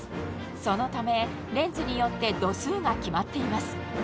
そのためレンズによって度数が決まっています